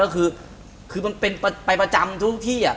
แล้วก็คือคือมันเป็นไปประจำทุกที่อะ